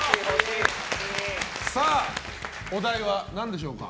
お題は何でしょうか？